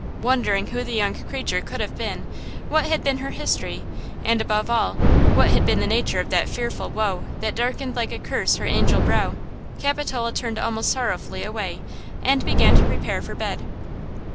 Wondering who the young creature could have been, what had been her history and, above all, what had been the nature of that fearful woe that darkened like a curse her angel brow, Capitola turned almost sorrowfully away and began to prepare for bed.